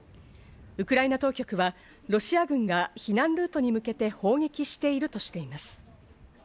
ウクライナ当局はロシア軍が避難ルートに向けて砲撃しているとしています。